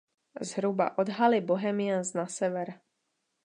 Zhruba od haly Bohemians na sever.